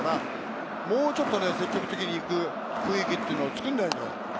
もうちょっと積極的に行く雰囲気っていうのを作らないと。